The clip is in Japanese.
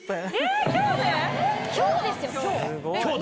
今日ですよ今日。